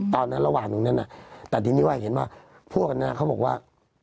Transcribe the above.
ระหว่างตรงนั้นแต่ทีนี้ว่าเห็นว่าพวกนั้นเขาบอกว่า